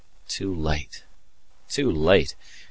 Too late! too late!